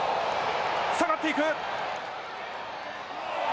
下がっていく。